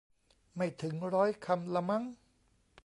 ไม่ถึงร้อยคำละมั้ง